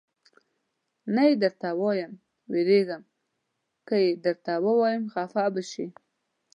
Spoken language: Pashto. نه یې درته وایم، وېرېږم که یې درته ووایم خفه به شې.